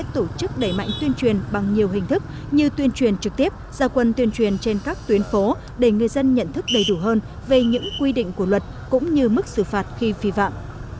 tổ chức đẩy mạnh tuyên truyền bằng nhiều hình thức như tuyên truyền trực tiếp gia quân tuyên truyền trên các tuyến phố để người dân nhận thức đầy đủ hơn về những quy định của luật cũng như mức xử phạt khi phi vạm